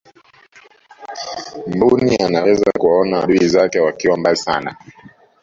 mbuni anaweza kuwaona adui zake wakiwa mbali sana